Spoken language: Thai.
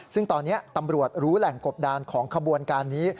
ซึ่งตอนนี้ตำรวจรู้แหล่งกบดานของขบวนการนี้